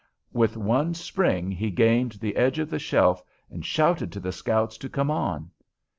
With one spring he gained the edge of the shelf, and shouted to the scouts to come on.